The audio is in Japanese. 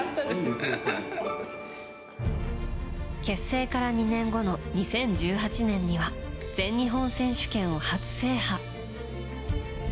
結成から２年後の２０１８年には全日本選手権を初制覇。